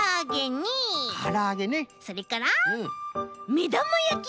それからめだまやき。